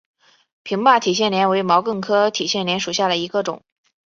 平坝铁线莲为毛茛科铁线莲属下的一个种。